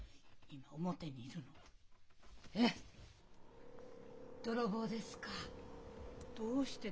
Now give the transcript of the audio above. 今表にいるって。